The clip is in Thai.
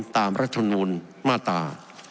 ตามรัฐสมนุนมาตรา